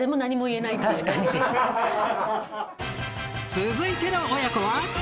続いての親子は。